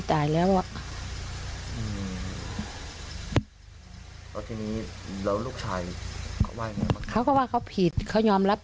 นี่และครับ